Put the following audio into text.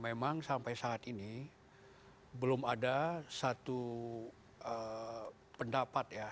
memang sampai saat ini belum ada satu pendapat ya